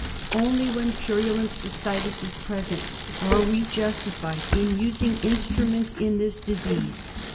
Only when purulent cystitis is present are we justified in using instruments in this disease.